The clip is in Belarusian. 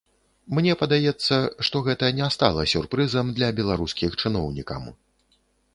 Мне падаецца, што гэта не стала сюрпрызам для беларускіх чыноўнікам.